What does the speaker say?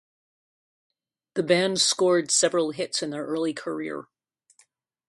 The band scored several hits in their early career.